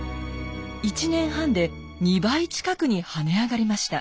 １年半で２倍近くに跳ね上がりました。